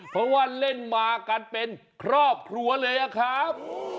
เพราะว่าเล่นมากันเป็นครอบครัวเลยอะครับ